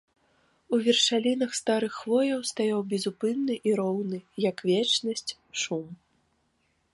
У вершалінах старых хвояў стаяў безупынны і роўны, як вечнасць, шум.